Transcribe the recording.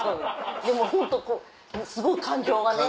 でもホントこうすごく感情がね